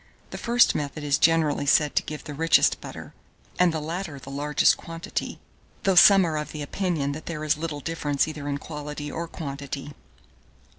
The first method is generally said to give the richest butter, and the latter the largest quantity, though some are of opinion that there is little difference either in quality or quantity.